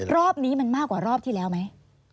รอบนี้มันมากกว่ารอบที่แล้วไหม